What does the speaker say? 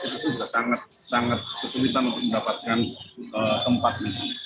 itu sudah sangat kesulitan untuk mendapatkan tempat itu